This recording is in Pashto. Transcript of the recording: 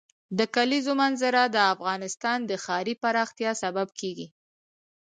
د کلیزو منظره د افغانستان د ښاري پراختیا سبب کېږي.